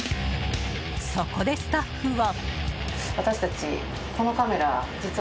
そこで、スタッフは。